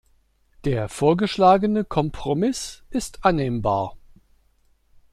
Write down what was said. Der vorgeschlagene Kompromiss ist annehmbar.